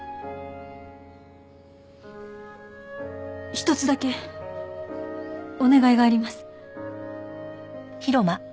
一つだけお願いがあります。